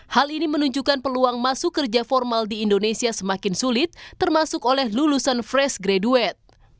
hal ini menunjukkan peluang masuk kerja formal di indonesia semakin sulit termasuk oleh lulusan fresh graduate